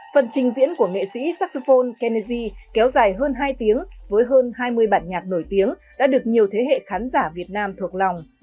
phần trình diễn của nghệ sĩ saxophone kennedy kéo dài hơn hai tiếng với hơn hai mươi bản nhạc nổi tiếng đã được nhiều thế hệ khán giả việt nam thuộc lòng